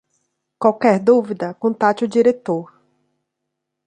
Qualquer dúvida, contate o diretor